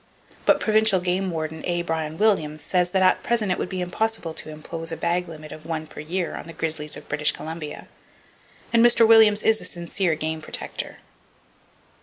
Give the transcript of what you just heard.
But Provincial Game Warden A. Bryan Williams says that at present it would be impossible to impose a bag limit of one per year on the grizzlies of British Columbia; and Mr. Williams is a sincere game protector.